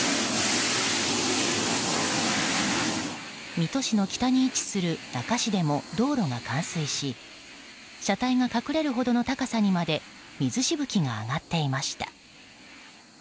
水戸市の北に位置する那珂市でも道路が冠水し車体が隠れるほどの高さにまで水しぶきが上がっていました。